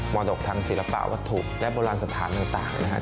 รดกทางศิลปะวัตถุและโบราณสถานต่างนะครับ